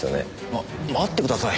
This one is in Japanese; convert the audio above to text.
ま待ってください。